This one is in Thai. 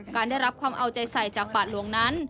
การได้รับความเอาใจใส่จากบาทหลวงนั้น